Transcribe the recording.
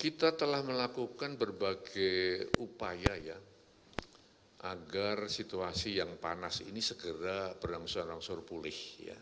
kita telah melakukan berbagai upaya ya agar situasi yang panas ini segera berangsur angsur pulih ya